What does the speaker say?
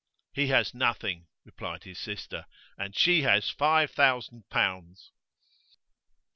'He has nothing,' replied his sister, 'and she has five thousand pounds.